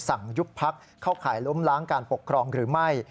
ยุบพักเข้าข่ายล้มล้างการปกครองหรือไม่